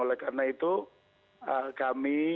oleh karena itu kami